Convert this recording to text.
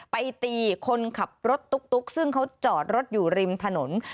ไปตีคนขับรถตุ๊กซึ่งเขาจอดรถอยู่ริมถนน